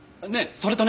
それとね